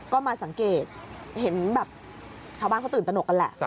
ก็มาสังเกตเห็นแบบชาวบ้านเขาตื่นตนกกันแหละ